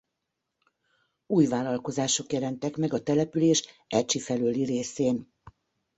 Új vállalkozások jelentek meg a település Ercsi felőli részén.